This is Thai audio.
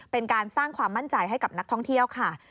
เป็นการสร้างความมั่นใจให้กับนักท่องเที่ยวค่ะ